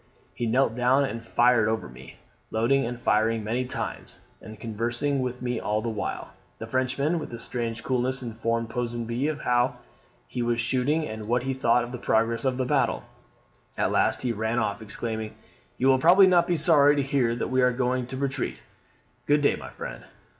He knelt down and fired over me, loading and firing many times, and conversing with me all the while." The Frenchman, with strange coolness, informed Ponsonby of how he was shooting, and what he thought of the progress of the battle. "At last he ran off, exclaiming, 'You will probably not be sorry to hear that we are going to retreat. Good day, my friend.'